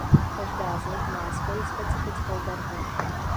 Každá z nich má svoji specifickou barvu.